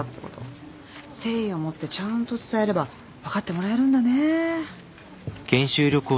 誠意を持ってちゃんと伝えれば分かってもらえるんだね。